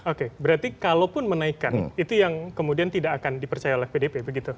oke berarti kalaupun menaikkan itu yang kemudian tidak akan dipercaya oleh pdp begitu